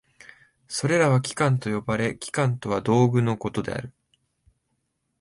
それらは器官と呼ばれ、器官とは道具のことである。